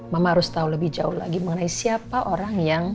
mama harus tahu lebih jauh lagi mengenai siapa orang yang